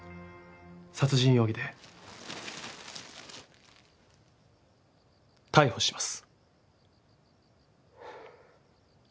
殺人容疑で逮捕します。